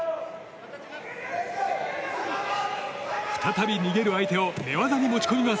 再び逃げる相手を寝技に持ち込みます。